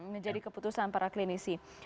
menjadi keputusan para klinisi